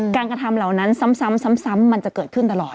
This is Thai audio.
กระทำเหล่านั้นซ้ำมันจะเกิดขึ้นตลอด